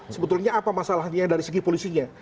sebetulnya apa masalahnya dari segi polisinya